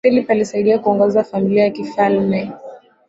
philip alisaidia kuongoza familia ya kifalme